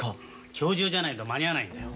今日中じゃないと間に合わないんだよ。